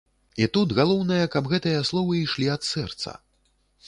І тут галоўнае, каб гэтыя словы ішлі ад сэрца.